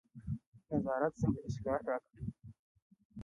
نظارت څنګه اصلاح راوړي؟